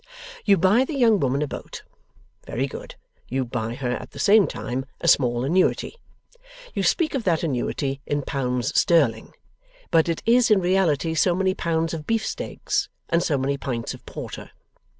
You buy the young woman a boat. Very good. You buy her, at the same time, a small annuity. You speak of that annuity in pounds sterling, but it is in reality so many pounds of beefsteaks and so many pints of porter.